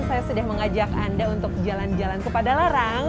saya mengajak anda untuk jalan jalan ke padalarang